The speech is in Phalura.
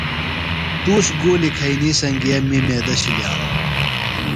تُوش گُولیۡ کھئینی سنگئے می میدہ شِلیانوۡ۔